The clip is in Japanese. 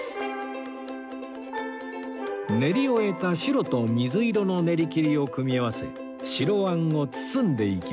練り終えた白と水色の練り切りを組み合わせ白あんを包んでいきます